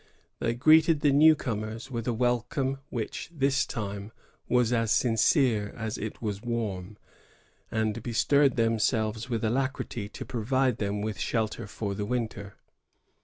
They greeted the new comers with a welcome which, this time, was as sincere as it was warm, and bestirred themselves with alacrity to pro vide them with shelter for the winter.